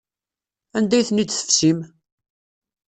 Anda ay ten-id-tefsim?